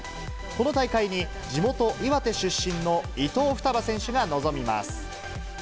この大会に、地元、岩手出身の伊藤ふたば選手が臨みます。